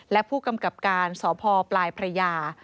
และผู้กำกับการสพปลายพระยา